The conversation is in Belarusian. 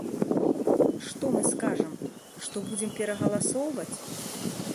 Што мы скажам, што будзем перагаласоўваць?